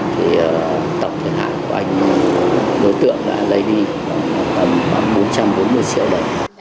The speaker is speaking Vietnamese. thì tổng thời hạn của anh đối tượng đã lấy đi khoảng bốn trăm bốn mươi triệu đồng